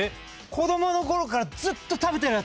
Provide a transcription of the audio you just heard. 子供のころからずっと食べてる！